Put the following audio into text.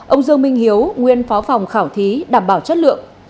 ông dương minh hiếu nguyên phó phòng khảo thí đảm bảo chất lượng